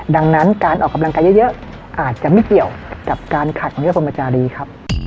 ดังนั้นการออกกำลังกายเยอะอาจจะไม่เกี่ยวกับการขัดของนิรพรมจารีครับ